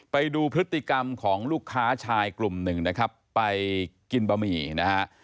ไปดูพฤติกรรมของลูกค้าชายกลุ่มหนึ่งนะครับไปกินบะหมี่นะฮะ